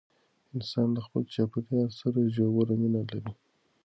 انسان له خپل چاپیریال سره ژوره مینه لري.